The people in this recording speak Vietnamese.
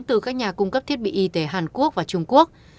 từ các nhà cung cấp thiết bị y tế hàn quốc và trung quốc